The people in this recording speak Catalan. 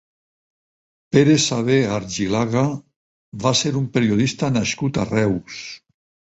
Pere Savé Argilaga va ser un periodista nascut a Reus.